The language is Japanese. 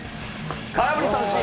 空振り三振。